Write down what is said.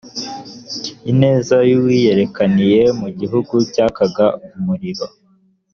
ineza y’uwiyerekaniye mu gihuru cyakaga umuriro: